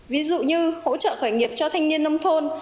ví dụ như hỗ trợ khởi nghiệp cho thanh niên nông thôn